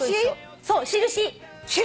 そう印。